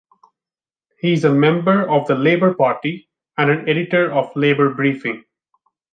He is a member of the Labour Party and an editor of Labour Briefing.